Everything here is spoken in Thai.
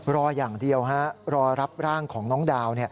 รออย่างเดียวรอรับร่างของน้องดาว